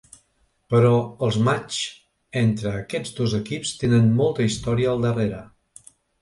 Però els matxs entre aquests dos equips tenen molta història al darrere.